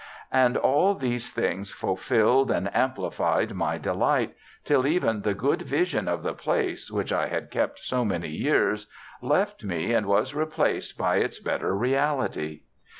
And all these things fulfilled and amplified my delight, till even the good vision of the place, which I had kept so many years, left me and was replaced by its better reality.